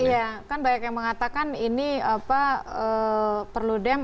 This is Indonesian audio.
iya kan banyak yang mengatakan ini perludem